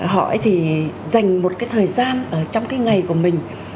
họ dành một thời gian trong ngày của mình